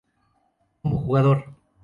Como Jugador